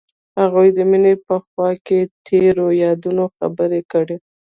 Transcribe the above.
هغوی د مینه په خوا کې تیرو یادونو خبرې کړې.